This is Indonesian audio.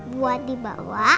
buat dibawa pas ketemu besok